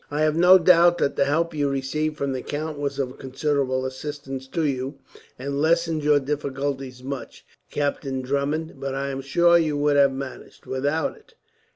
"I have no doubt that the help you received from the count was of considerable assistance to you, and lessened your difficulties much, Captain Drummond; but I am sure you would have managed, without it.